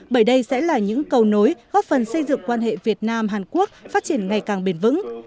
bởi đây sẽ là những cầu nối góp phần xây dựng quan hệ việt nam hàn quốc phát triển ngày càng bền vững